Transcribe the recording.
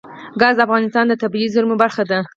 ګاز د افغانستان د طبیعي زیرمو برخه ده.